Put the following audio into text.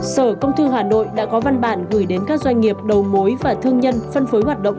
sở công thư hà nội đã có văn bản gửi đến các doanh nghiệp đầu mối và thương nhân phân phối hoạt động